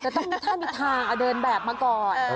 แต่ถ้ามีทางเดินแบบมาก่อน